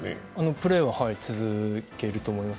プレーは続けると思います。